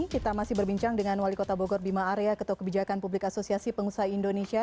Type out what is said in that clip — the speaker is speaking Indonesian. kita masih berbincang dengan wali kota bogor bima arya ketua kebijakan publik asosiasi pengusaha indonesia